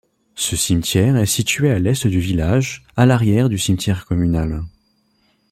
Ce cimetière est situé à l'est du village, à l'arrière du cimetière communal.